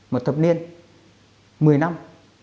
một thập niên một mươi năm